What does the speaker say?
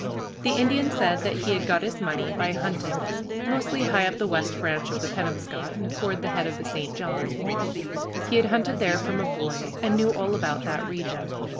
The Indian said that he had got his money by hunting, mostly high up the West Branch of the Penobscot, and toward the head of the St. John. He had hunted there from a boy, and knew all about that region.